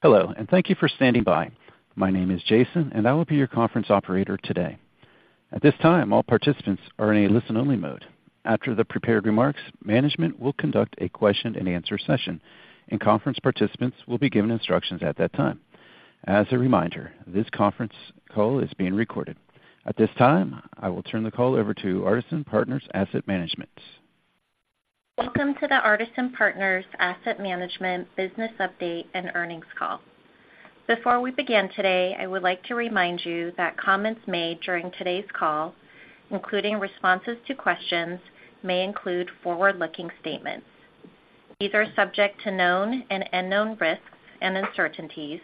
Hello, and thank you for standing by. My name is Jason, and I will be your conference operator today. At this time, all participants are in a listen-only mode. After the prepared remarks, management will conduct a question-and-answer session, and conference participants will be given instructions at that time. As a reminder, this conference call is being recorded. At this time, I will turn the call over to Artisan Partners Asset Management. Welcome to the Artisan Partners Asset Management Business Update and Earnings Call. Before we begin today, I would like to remind you that comments made during today's call, including responses to questions, may include forward-looking statements. These are subject to known and unknown risks and uncertainties,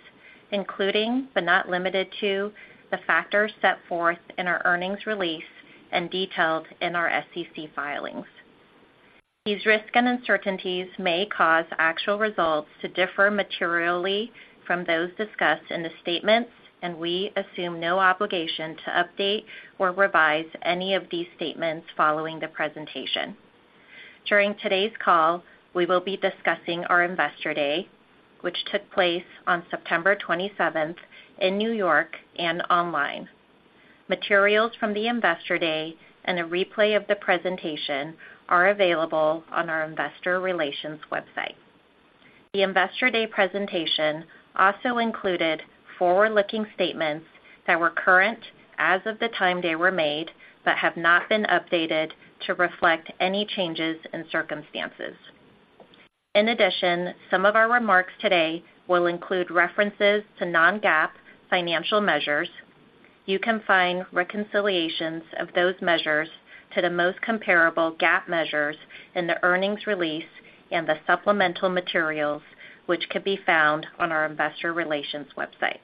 including, but not limited to, the factors set forth in our earnings release and detailed in our SEC filings. These risks and uncertainties may cause actual results to differ materially from those discussed in the statements, and we assume no obligation to update or revise any of these statements following the presentation. During today's call, we will be discussing our Investor Day, which took place on September 27th in New York and online. Materials from the Investor Day and a replay of the presentation are available on our Investor Relations website. The Investor Day presentation also included forward-looking statements that were current as of the time they were made, but have not been updated to reflect any changes in circumstances. In addition, some of our remarks today will include references to non-GAAP financial measures. You can find reconciliations of those measures to the most comparable GAAP measures in the earnings release and the supplemental materials, which can be found on our Investor Relations website.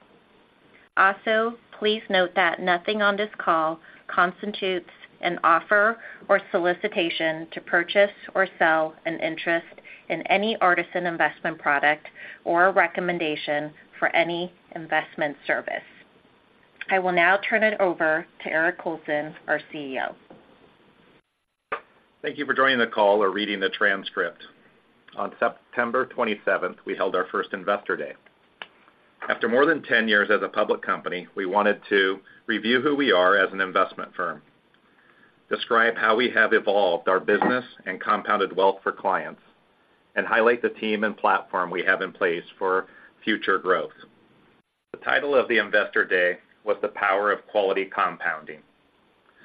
Also, please note that nothing on this call constitutes an offer or solicitation to purchase or sell an interest in any Artisan investment product or a recommendation for any investment service. I will now turn it over to Eric Colson, our CEO. Thank you for joining the call or reading the transcript. On September 27th, we held our first Investor Day. After more than 10 years as a public company, we wanted to review who we are as an investment firm, describe how we have evolved our business and compounded wealth for clients, and highlight the team and platform we have in place for future growth. The title of the Investor Day was The Power of Quality Compounding.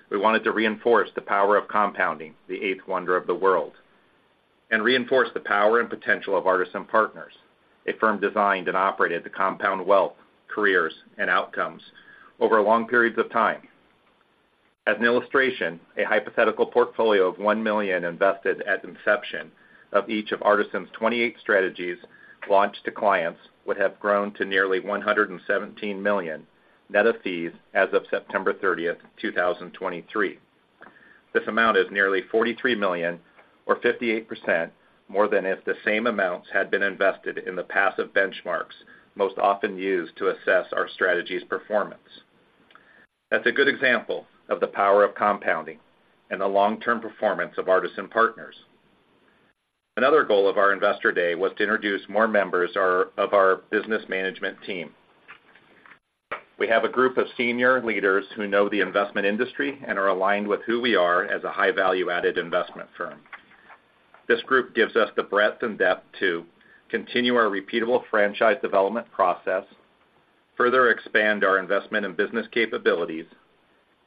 We wanted to reinforce the power of compounding, the eighth wonder of the world, and reinforce the power and potential of Artisan Partners, a firm designed and operated to compound wealth, careers, and outcomes over long periods of time. As an illustration, a hypothetical portfolio of $1 million invested at inception of each of Artisan's 28 strategies launched to clients would have grown to nearly $117 million, net of fees, as of September 30, 2023. This amount is nearly $43 million, or 58%, more than if the same amounts had been invested in the passive benchmarks most often used to assess our strategy's performance. That's a good example of the power of compounding and the long-term performance of Artisan Partners. Another goal of our Investor Day was to introduce more members of our business management team. We have a group of senior leaders who know the investment industry and are aligned with who we are as a high value-added investment firm. This group gives us the breadth and depth to continue our repeatable franchise development process, further expand our investment in business capabilities,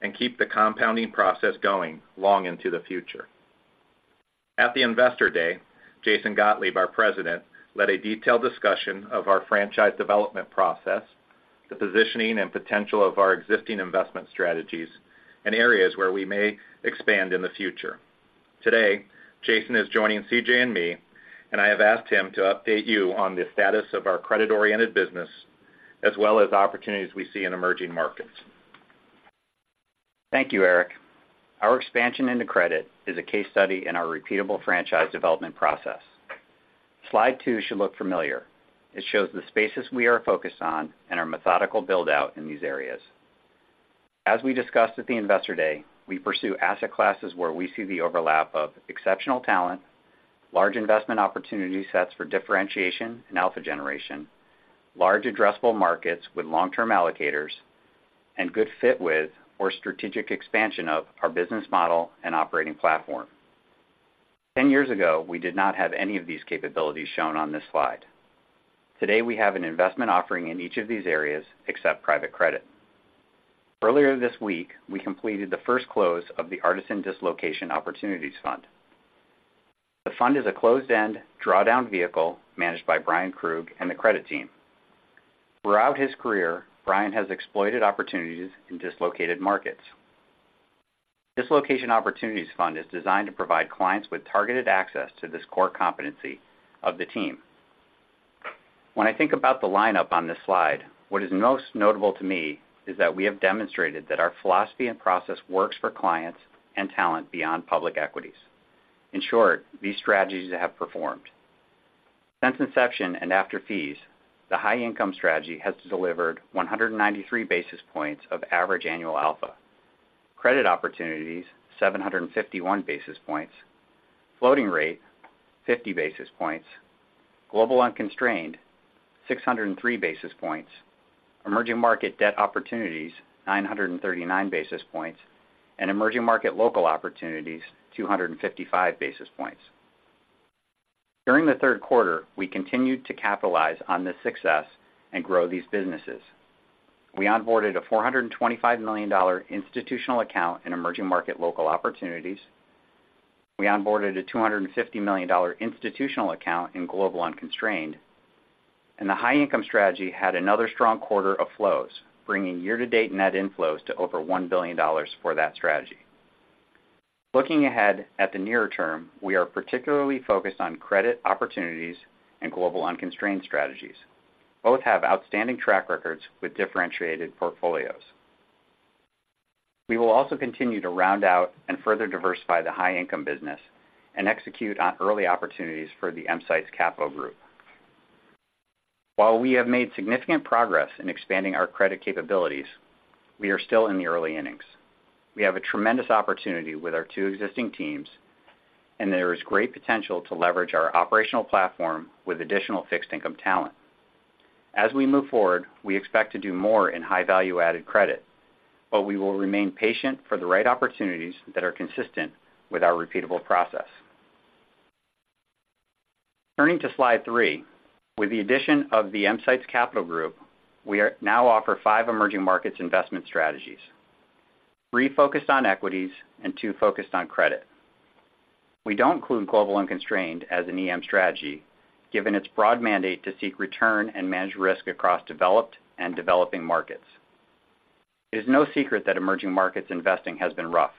and keep the compounding process going long into the future. At the Investor Day, Jason Gottlieb, our President, led a detailed discussion of our franchise development process, the positioning and potential of our existing investment strategies, and areas where we may expand in the future. Today, Jason is joining C.J. and me, and I have asked him to update you on the status of our credit-oriented business, as well as opportunities we see in emerging markets. Thank you, Eric. Our expansion into credit is a case study in our repeatable franchise development process. Slide 2 should look familiar. It shows the spaces we are focused on and our methodical build-out in these areas. As we discussed at the Investor Day, we pursue asset classes where we see the overlap of exceptional talent, large investment opportunity sets for differentiation and alpha generation, large addressable markets with long-term allocators, and good fit with or strategic expansion of our business model and operating platform. 10 years ago, we did not have any of these capabilities shown on this slide. Today, we have an investment offering in each of these areas, except private credit. Earlier this week, we completed the first close of the Artisan Dislocation Opportunities Fund. The fund is a closed-end, drawdown vehicle managed by Bryan Krug and the credit team. Throughout his career, Bryan has exploited opportunities in dislocated markets. Dislocation Opportunities Fund is designed to provide clients with targeted access to this core competency of the team. When I think about the lineup on this slide, what is most notable to me is that we have demonstrated that our philosophy and process works for clients and talent beyond public equities. In short, these strategies have performed. Since inception and after fees, the High Income Strategy has delivered 193 basis points of average annual alpha. Credit Opportunities, 751 basis points. Floating Rate, 50 basis points. Global Unconstrained, 603 basis points. Emerging Markets Debt Opportunities, 939 basis points, and Emerging Markets Local Opportunities, 255 basis points. During the Q3, we continued to capitalize on this success and grow these businesses. We onboarded a $425 million institutional account in Emerging Markets Local Opportunities. We onboarded a $250 million institutional account in Global Unconstrained, and the High Income Strategy had another strong quarter of flows, bringing year-to-date net inflows to over $1 billion for that strategy. Looking ahead at the nearer term, we are particularly focused on Credit Opportunities and Global Unconstrained strategies. Both have outstanding track records with differentiated portfolios. We will also continue to round out and further diversify the High Income business and execute on early opportunities for the EMsights Capital Group. While we have made significant progress in expanding our credit capabilities, we are still in the early innings. We have a tremendous opportunity with our two existing teams, and there is great potential to leverage our operational platform with additional fixed income talent. As we move forward, we expect to do more in high value-added credit, but we will remain patient for the right opportunities that are consistent with our repeatable process. Turning to slide 3. With the addition of the EMsights Capital Group, we are now offering 5 emerging markets investment strategies, 3 focused on equities and 2 focused on credit. We don't include Global Unconstrained as an EM strategy, given its broad mandate to seek return and manage risk across developed and developing markets. It is no secret that emerging markets investing has been rough.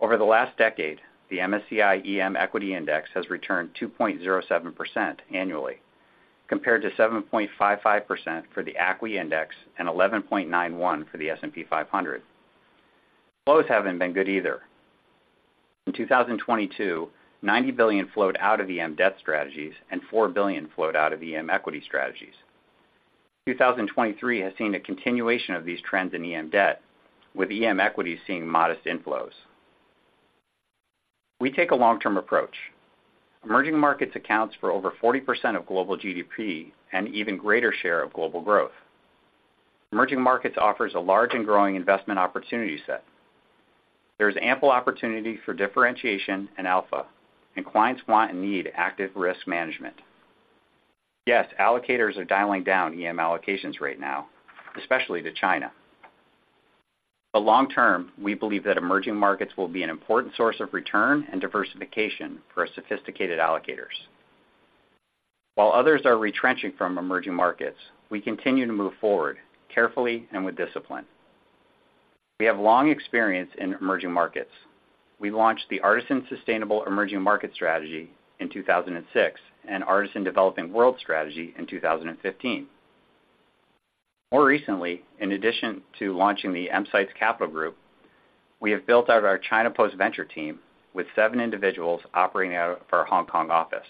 Over the last decade, the MSCI EM Equity Index has returned 2.07% annually, compared to 7.55% for the ACWI Index and 11.91% for the S&P 500. Flows haven't been good either. In 2022, $90 billion flowed out of EM debt strategies, and $4 billion flowed out of EM equity strategies. 2023 has seen a continuation of these trends in EM debt, with EM equities seeing modest inflows. We take a long-term approach. Emerging markets accounts for over 40% of global GDP and even greater share of global growth. Emerging markets offers a large and growing investment opportunity set. There is ample opportunity for differentiation and alpha, and clients want and need active risk management. Yes, allocators are dialing down EM allocations right now, especially to China. But long term, we believe that emerging markets will be an important source of return and diversification for sophisticated allocators. While others are retrenching from emerging markets, we continue to move forward, carefully and with discipline. We have long experience in emerging markets. We launched the Artisan Sustainable Emerging Markets Strategy in 2006, and Artisan Developing World Strategy in 2015. More recently, in addition to launching the EMsights Capital Group, we have built out our China Post-Venture team with seven individuals operating out of our Hong Kong office.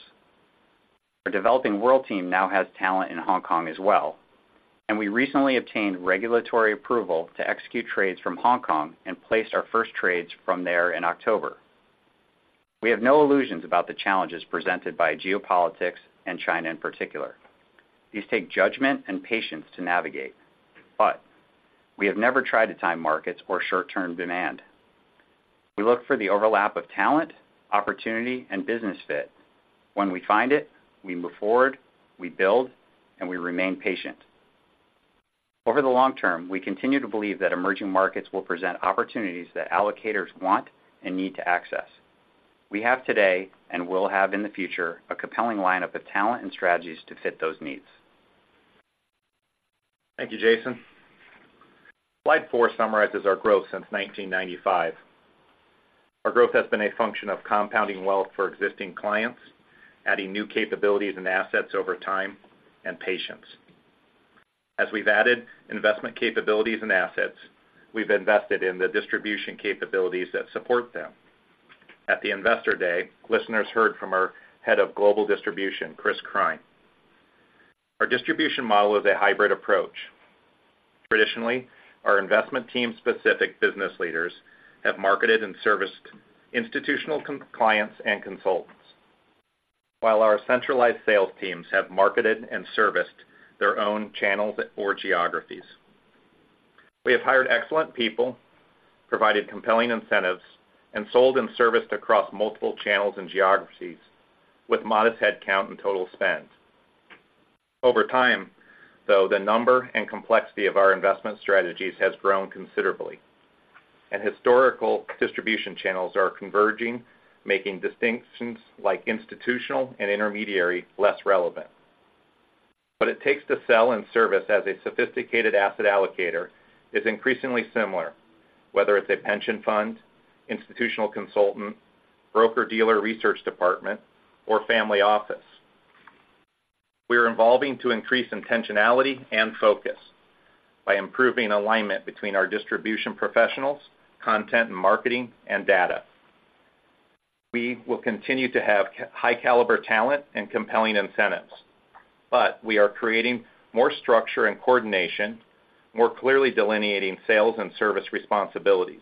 Our Developing World team now has talent in Hong Kong as well, and we recently obtained regulatory approval to execute trades from Hong Kong and placed our first trades from there in October. We have no illusions about the challenges presented by geopolitics and China in particular. These take judgment and patience to navigate, but we have never tried to time markets or short-term demand. We look for the overlap of talent, opportunity, and business fit. When we find it, we move forward, we build, and we remain patient. Over the long term, we continue to believe that emerging markets will present opportunities that allocators want and need to access. We have today, and will have in the future, a compelling lineup of talent and strategies to fit those needs. Thank you, Jason. Slide 4 summarizes our growth since 1995. Our growth has been a function of compounding wealth for existing clients, adding new capabilities and assets over time, and patience. As we've added investment capabilities and assets, we've invested in the distribution capabilities that support them. At the Investor Day, listeners heard from our Head of Global Distribution, Chris Krein. Our distribution model is a hybrid approach. Traditionally, our investment team-specific business leaders have marketed and serviced institutional clients and consultants, while our centralized sales teams have marketed and serviced their own channels or geographies. We have hired excellent people, provided compelling incentives, and sold and serviced across multiple channels and geographies with modest headcount and total spend. Over time, though, the number and complexity of our investment strategies has grown considerably, and historical distribution channels are converging, making distinctions like institutional and intermediary less relevant. What it takes to sell and service as a sophisticated asset allocator is increasingly similar, whether it's a pension fund, institutional consultant, broker-dealer research department, or family office. We are evolving to increase intentionality and focus by improving alignment between our distribution professionals, content and marketing, and data. We will continue to have high caliber talent and compelling incentives, but we are creating more structure and coordination, more clearly delineating sales and service responsibilities.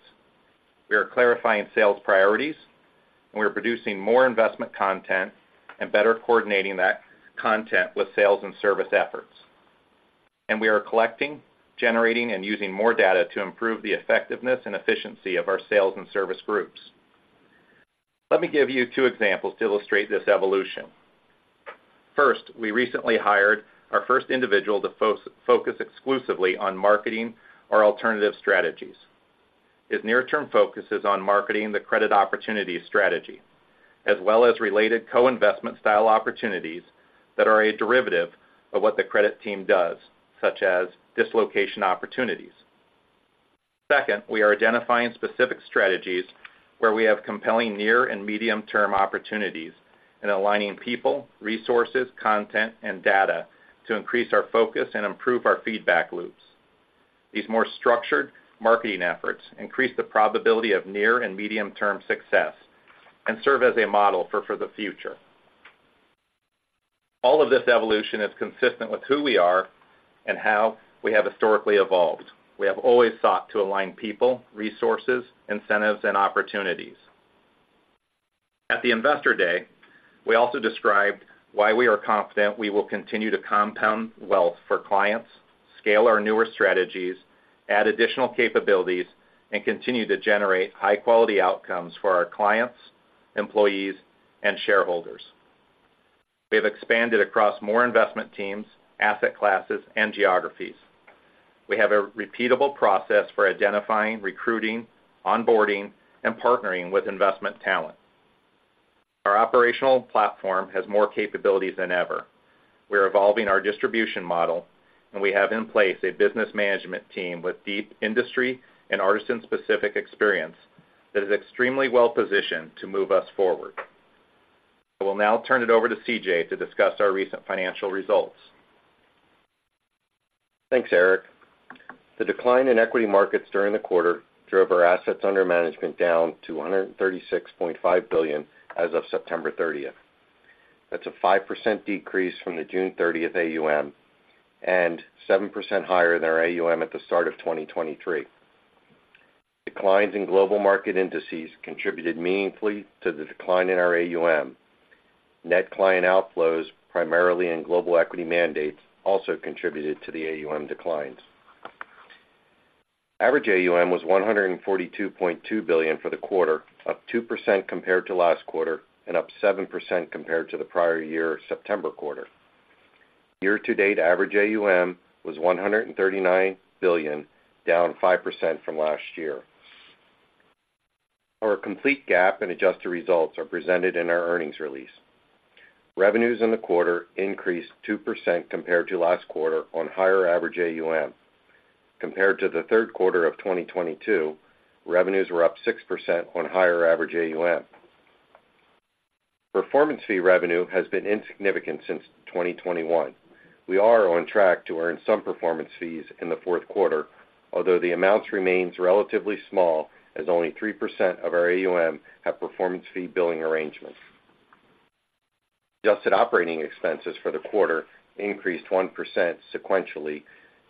We are clarifying sales priorities, and we are producing more investment content and better coordinating that content with sales and service efforts. And we are collecting, generating, and using more data to improve the effectiveness and efficiency of our sales and service groups. Let me give you two examples to illustrate this evolution. First, we recently hired our first individual to focus exclusively on marketing our alternative strategies. His near-term focus is on marketing the Credit Opportunities strategy, as well as related co-investment style opportunities that are a derivative of what the credit team does, such as dislocation opportunities. Second, we are identifying specific strategies where we have compelling near and medium-term opportunities and aligning people, resources, content, and data to increase our focus and improve our feedback loops. These more structured marketing efforts increase the probability of near and medium-term success and serve as a model for the future. All of this evolution is consistent with who we are and how we have historically evolved. We have always sought to align people, resources, incentives, and opportunities. At the Investor Day, we also described why we are confident we will continue to compound wealth for clients, scale our newer strategies, add additional capabilities, and continue to generate high-quality outcomes for our clients, employees, and shareholders. We have expanded across more investment teams, asset classes, and geographies. We have a repeatable process for identifying, recruiting, onboarding, and partnering with investment talent. Our operational platform has more capabilities than ever. We are evolving our distribution model, and we have in place a business management team with deep industry and Artisan-specific experience that is extremely well-positioned to move us forward. I will now turn it over to C.J. to discuss our recent financial results. Thanks, Eric. The decline in equity markets during the quarter drove our assets under management down to $136.5 billion as of September 30. That's a 5% decrease from the June 30 AUM and 7% higher than our AUM at the start of 2023. Declines in global market indices contributed meaningfully to the decline in our AUM. Net client outflows, primarily in global equity mandates, also contributed to the AUM declines. Average AUM was $142.2 billion for the quarter, up 2% compared to last quarter and up 7% compared to the prior year September quarter. Year-to-date average AUM was $139 billion, down 5% from last year. Our complete GAAP and adjusted results are presented in our earnings release. Revenues in the quarter increased 2% compared to last quarter on higher average AUM. Compared to the Q3 of 2022, revenues were up 6% on higher average AUM. Performance fee revenue has been insignificant since 2021. We are on track to earn some performance fees in the Q4, although the amount remains relatively small, as only 3% of our AUM have performance fee billing arrangements. Adjusted operating expenses for the quarter increased 1% sequentially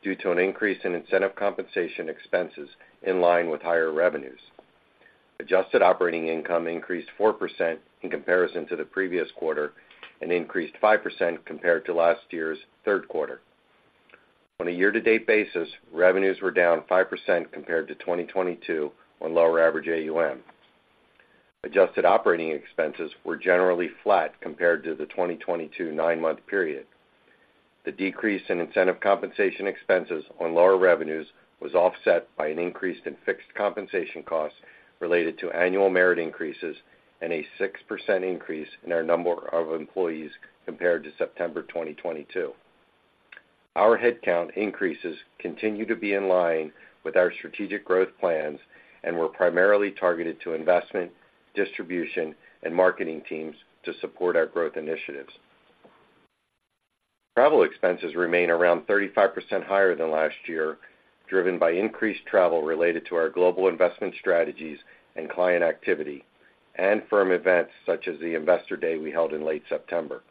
due to an increase in incentive compensation expenses in line with higher revenues. Adjusted operating income increased 4% in comparison to the previous quarter and increased 5% compared to last year's Q3. On a year-to-date basis, revenues were down 5% compared to 2022 on lower average AUM. Adjusted operating expenses were generally flat compared to the 2022 nine-month period. The decrease in incentive compensation expenses on lower revenues was offset by an increase in fixed compensation costs related to annual merit increases and a 6% increase in our number of employees compared to September 2022. Our headcount increases continue to be in line with our strategic growth plans and were primarily targeted to investment, distribution, and marketing teams to support our growth initiatives. Travel expenses remain around 35% higher than last year, driven by increased travel related to our global investment strategies and client activity, and firm events such as the Investor Day we held in late September.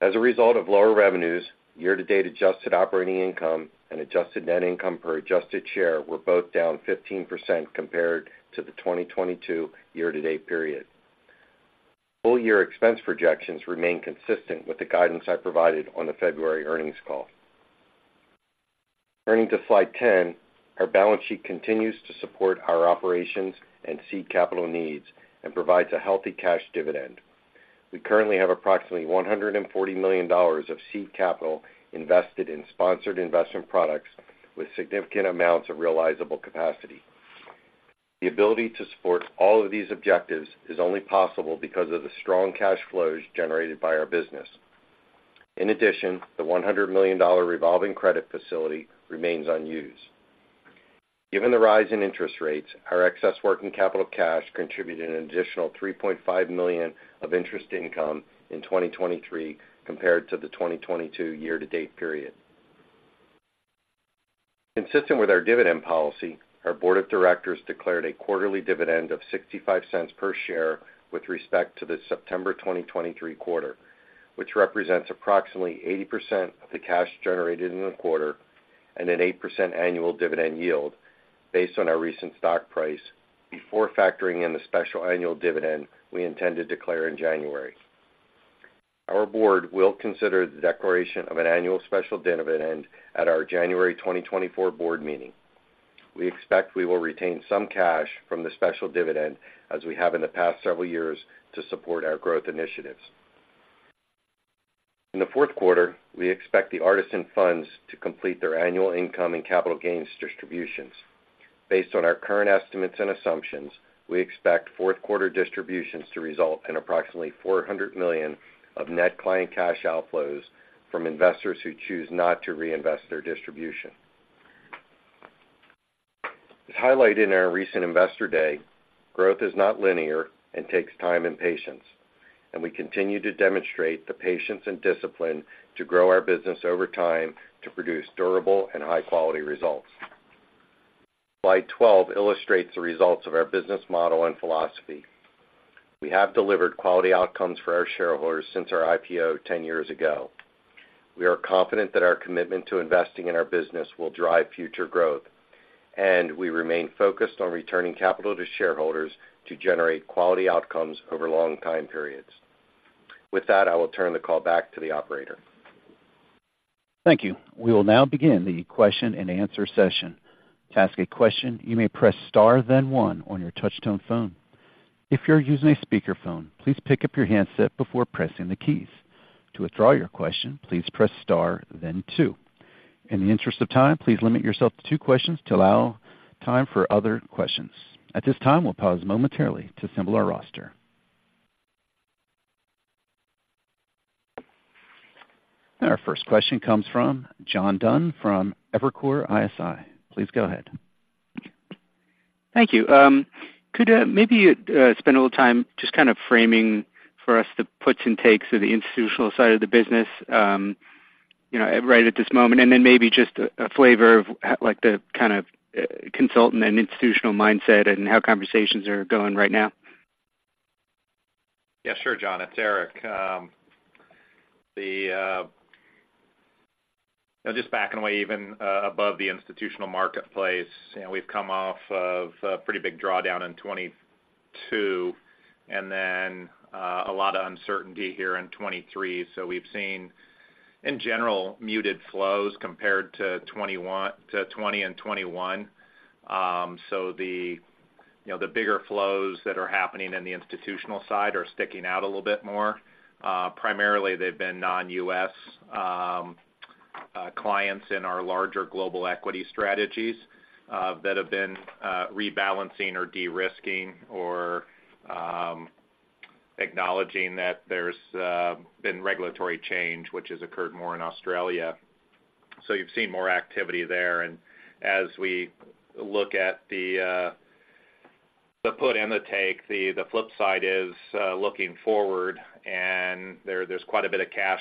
As a result of lower revenues, year-to-date adjusted operating income and adjusted net income per adjusted share were both down 15% compared to the 2022 year-to-date period. Full year expense projections remain consistent with the guidance I provided on the February earnings call. Turning to Slide 10, our balance sheet continues to support our operations and seed capital needs and provides a healthy cash dividend. We currently have approximately $140 million of seed capital invested in sponsored investment products with significant amounts of realizable capacity. The ability to support all of these objectives is only possible because of the strong cash flows generated by our business. In addition, the $100 million revolving credit facility remains unused. Given the rise in interest rates, our excess working capital cash contributed an additional $3.5 million of interest income in 2023 compared to the 2022 year-to-date period. Consistent with our dividend policy, our board of directors declared a quarterly dividend of $0.65 per share with respect to the September 2023 quarter, which represents approximately 80% of the cash generated in the quarter and an 8% annual dividend yield based on our recent stock price, before factoring in the special annual dividend we intend to declare in January. Our board will consider the declaration of an annual special dividend at our January 2024 board meeting. We expect we will retain some cash from the special dividend, as we have in the past several years, to support our growth initiatives. In the Q4, we expect the Artisan funds to complete their annual income and capital gains distributions. Based on our current estimates and assumptions, we expect Q4 distributions to result in approximately $400 million of net client cash outflows from investors who choose not to reinvest their distribution. As highlighted in our recent Investor Day, growth is not linear and takes time and patience, and we continue to demonstrate the patience and discipline to grow our business over time to produce durable and high-quality results. Slide 12 illustrates the results of our business model and philosophy. We have delivered quality outcomes for our shareholders since our IPO 10 years ago. We are confident that our commitment to investing in our business will drive future growth, and we remain focused on returning capital to shareholders to generate quality outcomes over long time periods. With that, I will turn the call back to the operator. Thank you. We will now begin the question-and-answer session. To ask a question, you may press star, then one on your touchtone phone. If you're using a speakerphone, please pick up your handset before pressing the keys. To withdraw your question, please press star then two. In the interest of time, please limit yourself to two questions to allow time for other questions. At this time, we'll pause momentarily to assemble our roster. Our first question comes from John Dunn from Evercore ISI. Please go ahead. Thank you. Could maybe spend a little time just kind of framing for us the puts and takes of the institutional side of the business, you know, right at this moment, and then maybe just a flavor of, like, the kind of consultant and institutional mindset and how conversations are going right now? Yeah, sure, John, it's Eric. Just backing away, even above the institutional marketplace, you know, we've come off of a pretty big drawdown in 2022, and then a lot of uncertainty here in 2023. So we've seen, in general, muted flows compared to 2021 to 2020 and 2021. So the, you know, the bigger flows that are happening in the institutional side are sticking out a little bit more. Primarily, they've been non-U.S. clients in our larger global equity strategies that have been rebalancing or de-risking or acknowledging that there's been regulatory change, which has occurred more in Australia. So you've seen more activity there. As we look at the put and the take, the flip side is looking forward, and there's quite a bit of cash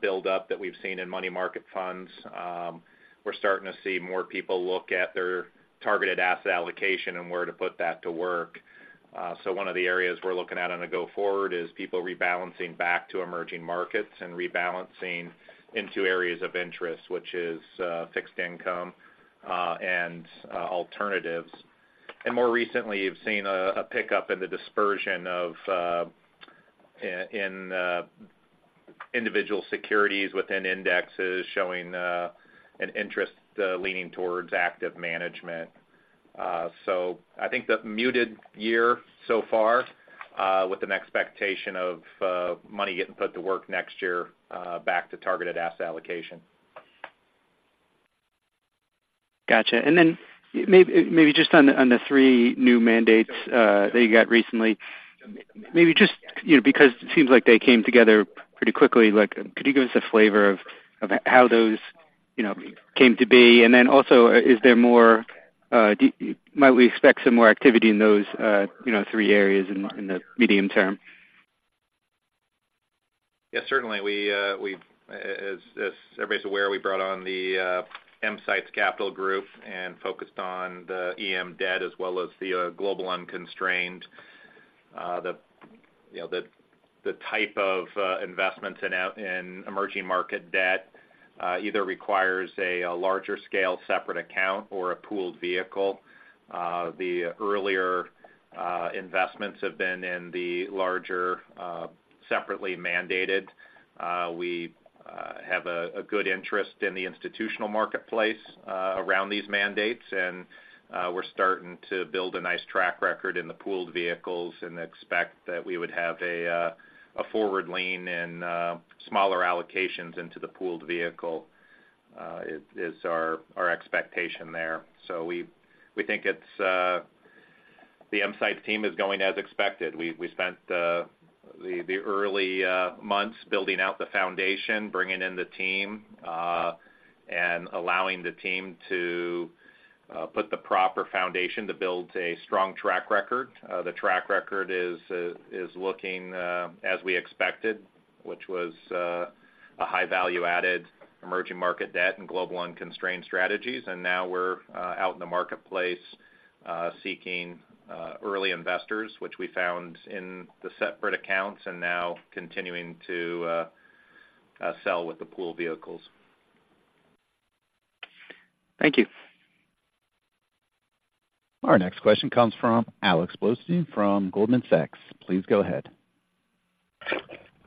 build up that we've seen in money market funds. We're starting to see more people look at their targeted asset allocation and where to put that to work. So one of the areas we're looking at on a go forward is people rebalancing back to emerging markets and rebalancing into areas of interest, which is fixed income and alternatives. And more recently, you've seen a pickup in the dispersion in individual securities within indexes, showing an interest leaning towards active management. So I think the muted year so far, with an expectation of money getting put to work next year, back to targeted asset allocation. Gotcha. And then maybe just on the three new mandates that you got recently, maybe just, you know, because it seems like they came together pretty quickly. Like, could you give us a flavor of how those, you know, came to be? And then also, is there more, might we expect some more activity in those, you know, three areas in the medium term? Yeah, certainly. We've, as everybody's aware, we brought on the EMsights Capital Group and focused on the EM debt as well as the Global Unconstrained. You know, the type of investments in emerging market debt either requires a larger scale separate account or a pooled vehicle. The earlier investments have been in the larger separately mandated. We have a good interest in the institutional marketplace around these mandates, and we're starting to build a nice track record in the pooled vehicles and expect that we would have a forward lean in smaller allocations into the pooled vehicle is our expectation there. So we think it's the EMsights team is going as expected. We spent the early months building out the foundation, bringing in the team, and allowing the team to put the proper foundation to build a strong track record. The track record is looking as we expected, which was a high value added emerging market debt and Global Unconstrained strategies. And now we're out in the marketplace seeking early investors, which we found in the separate accounts, and now continuing to sell with the pool vehicles. Thank you. Our next question comes from Alex Blostein from Goldman Sachs. Please go ahead.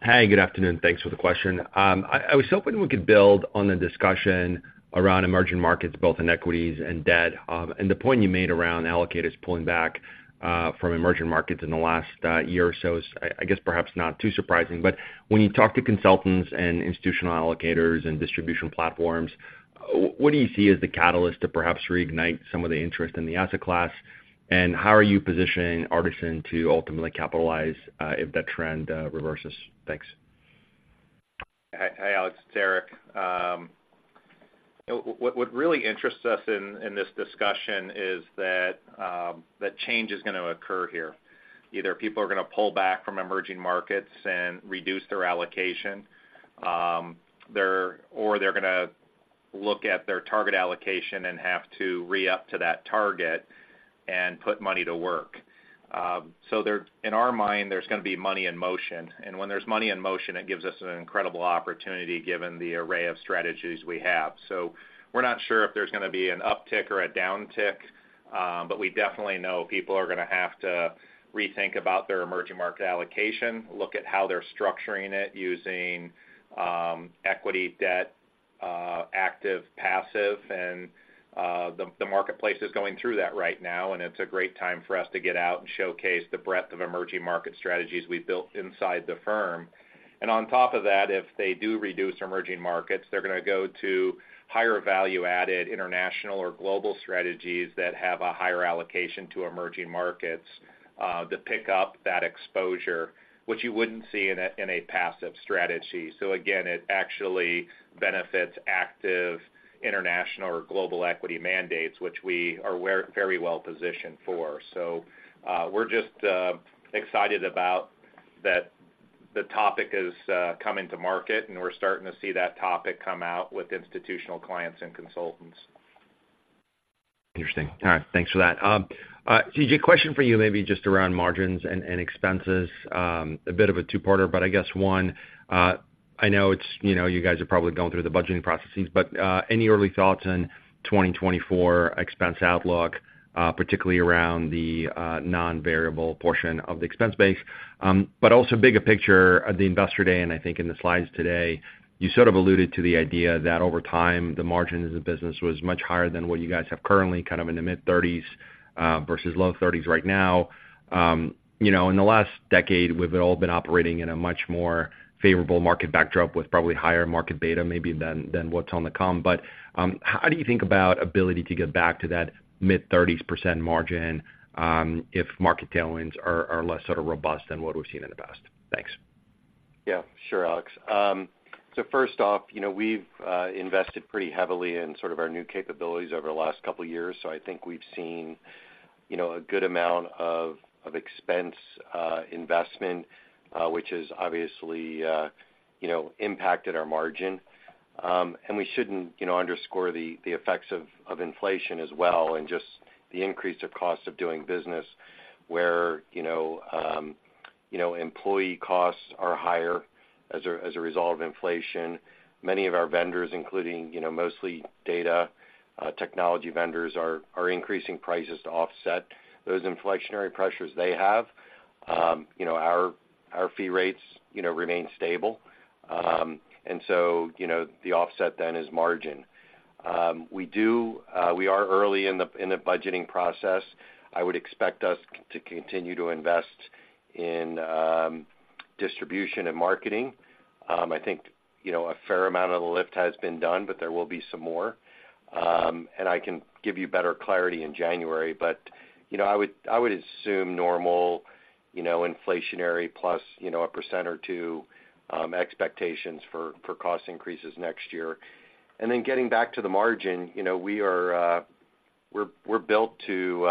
Hey, good afternoon. Thanks for the question. I was hoping we could build on the discussion around emerging markets, both in equities and debt. And the point you made around allocators pulling back from emerging markets in the last year or so is, I guess, perhaps not too surprising. But when you talk to consultants and institutional allocators and distribution platforms, what do you see as the catalyst to perhaps reignite some of the interest in the asset class? And how are you positioning Artisan to ultimately capitalize if that trend reverses? Thanks. Hi, Alex, it's Eric. What really interests us in this discussion is that change is going to occur here. Either people are going to pull back from emerging markets and reduce their allocation, or they're going to look at their target allocation and have to re-up to that target and put money to work. So in our mind, there's going to be money in motion. And when there's money in motion, it gives us an incredible opportunity, given the array of strategies we have. So we're not sure if there's going to be an uptick or a downtick, but we definitely know people are going to have to rethink about their emerging market allocation, look at how they're structuring it, using equity, debt, active, passive. The marketplace is going through that right now, and it's a great time for us to get out and showcase the breadth of emerging market strategies we've built inside the firm. On top of that, if they do reduce emerging markets, they're going to go to higher value added international or global strategies that have a higher allocation to emerging markets to pick up that exposure, which you wouldn't see in a passive strategy. So again, it actually benefits active international or global equity mandates, which we're very well positioned for. We're just excited about that the topic is coming to market, and we're starting to see that topic come out with institutional clients and consultants. Interesting. All right, thanks for that. C.J., question for you, maybe just around margins and expenses. A bit of a two-parter, but I guess one, I know it's, you know, you guys are probably going through the budgeting processes, but, any early thoughts on 2024 expense outlook, particularly around the non-variable portion of the expense base? But also bigger picture at the Investor Day, and I think in the slides today, you sort of alluded to the idea that over time, the margin as a business was much higher than what you guys have currently, kind of in the mid-thirties, versus low thirties right now. You know, in the last decade, we've all been operating in a much more favorable market backdrop with probably higher market beta, maybe than what's on the come. But, how do you think about ability to get back to that mid-30s% margin, if market tailwinds are less sort of robust than what we've seen in the past? Thanks. Yeah, sure, Alex. So first off, you know, we've invested pretty heavily in sort of our new capabilities over the last couple of years. So I think we've seen, you know, a good amount of expense investment, which has obviously, you know, impacted our margin. And we shouldn't, you know, underscore the effects of inflation as well, and just the increase of cost of doing business, where, you know, employee costs are higher as a result of inflation. Many of our vendors, including, you know, mostly data, technology vendors, are increasing prices to offset those inflationary pressures they have. You know, our fee rates, you know, remain stable. And so, you know, the offset then is margin. We are early in the budgeting process. I would expect us to continue to invest in distribution and marketing. I think, you know, a fair amount of the lift has been done, but there will be some more. And I can give you better clarity in January. But, you know, I would assume normal, you know, inflationary plus, you know, 1% or 2% expectations for cost increases next year. And then getting back to the margin, you know, we are built to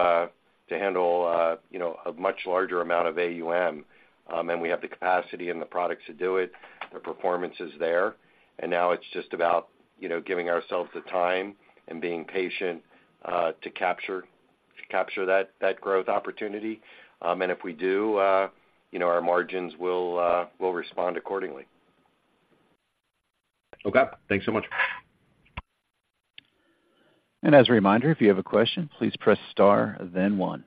handle, you know, a much larger amount of AUM. And we have the capacity and the products to do it. The performance is there, and now it's just about, you know, giving ourselves the time and being patient to capture, to capture that growth opportunity. And if we do, you know, our margins will, respond accordingly. Okay. Thanks so much. As a reminder, if you have a question, please press star then one.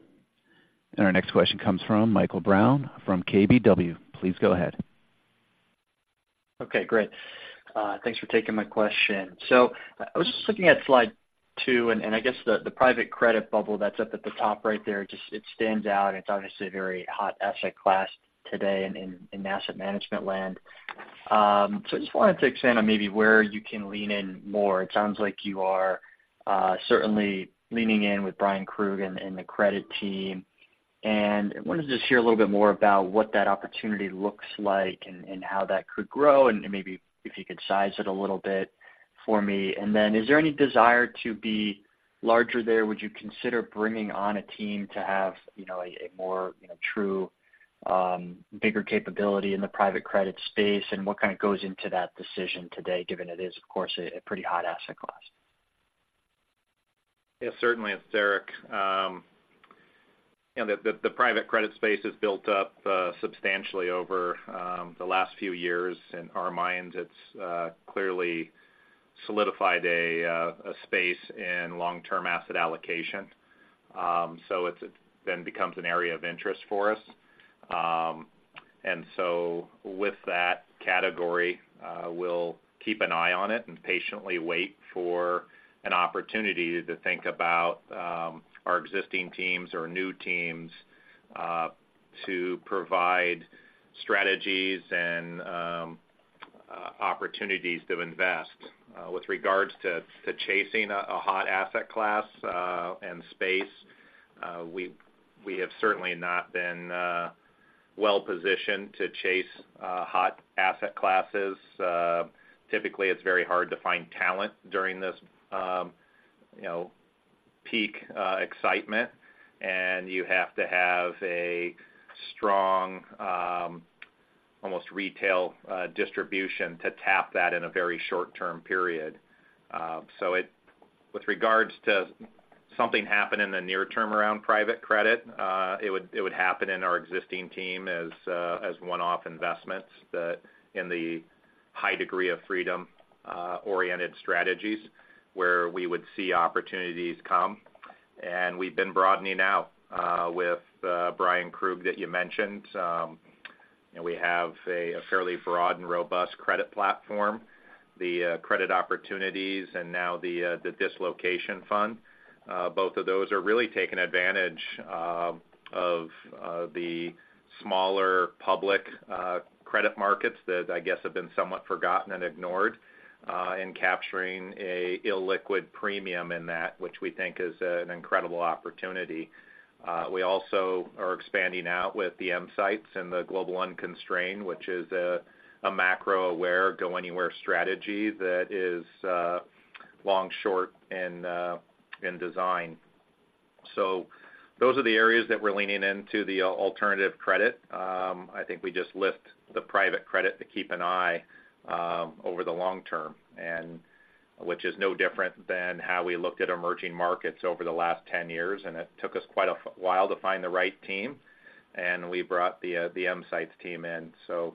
Our next question comes from Michael Brown from KBW. Please go ahead. Okay, great. Thanks for taking my question. So I was just looking at slide two, and I guess the private credit bubble that's up at the top right there, just it stands out, and it's obviously a very hot asset class today in asset management land. So I just wanted to expand on maybe where you can lean in more. It sounds like you are certainly leaning in with Bryan Krug and the credit team. And I wanted to just hear a little bit more about what that opportunity looks like and how that could grow, and maybe if you could size it a little bit for me. And then is there any desire to be larger there? Would you consider bringing on a team to have, you know, a, more, you know, true, bigger capability in the private credit space? And what kind of goes into that decision today, given it is, of course, a pretty hot asset class? Yes, certainly, it's Eric. You know, the private credit space has built up substantially over the last few years. In our minds, it's clearly solidified a space in long-term asset allocation. So it then becomes an area of interest for us. And so with that category, we'll keep an eye on it and patiently wait for an opportunity to think about our existing teams or new teams to provide strategies and opportunities to invest. With regards to chasing a hot asset class and space, we have certainly not been well-positioned to chase hot asset classes. Typically, it's very hard to find talent during this, you know, peak, excitement, and you have to have a strong, almost retail, distribution to tap that in a very short-term period. So it... With regards to something happening in the near term around private credit, it would happen in our existing team as one-off investments, but in the high degree of freedom, oriented strategies, where we would see opportunities come. And we've been broadening out, with, Bryan Krug that you mentioned. And we have a fairly broad and robust credit platform, the, Credit Opportunities and now the, the dislocation fund. Both of those are really taking advantage of the smaller public credit markets that I guess have been somewhat forgotten and ignored in capturing an illiquid premium in that, which we think is an incredible opportunity. We also are expanding out with the EMsights and the Global Unconstrained, which is a macro-aware, go-anywhere strategy that is long-short in design. So those are the areas that we're leaning into the alternative credit. I think we just lift the private credit to keep an eye over the long term, and which is no different than how we looked at emerging markets over the last 10 years. It took us quite a while to find the right team, and we brought the EMsights team in. You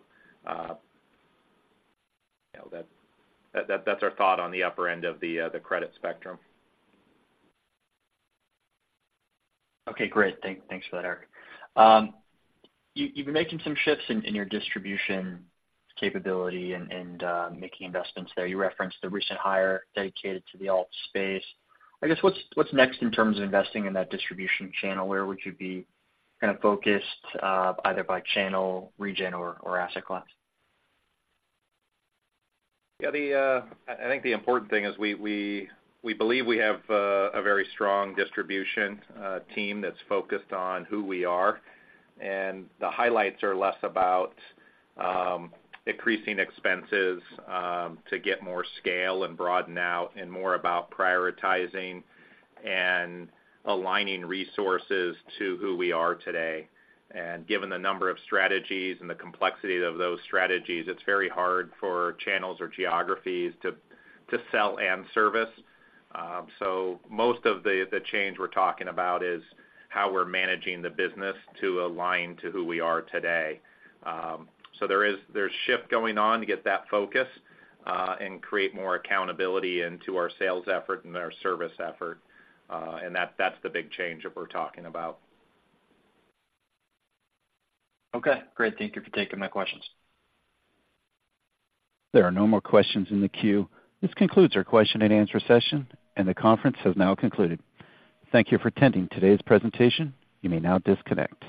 know, that's our thought on the upper end of the credit spectrum. Okay, great. Thanks for that, Eric. You've been making some shifts in your distribution capability and making investments there. You referenced the recent hire dedicated to the alt space. I guess, what's next in terms of investing in that distribution channel? Where would you be kind of focused, either by channel, region, or asset class? Yeah, I think the important thing is we believe we have a very strong distribution team that's focused on who we are. And the highlights are less about increasing expenses to get more scale and broaden out, and more about prioritizing and aligning resources to who we are today. And given the number of strategies and the complexity of those strategies, it's very hard for channels or geographies to sell and service. So most of the change we're talking about is how we're managing the business to align to who we are today. So there's shift going on to get that focus and create more accountability into our sales effort and our service effort. And that's the big change that we're talking about. Okay, great. Thank you for taking my questions. There are no more questions in the queue. This concludes our question-and-answer session, and the conference has now concluded. Thank you for attending today's presentation. You may now disconnect.